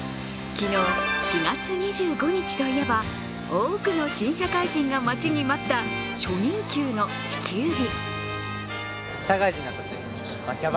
昨日、４月２５日といえば多くの新社会人が待ちに待った初任給の支給日。